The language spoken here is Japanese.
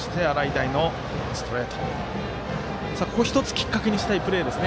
きっかけにしたいプレーですね。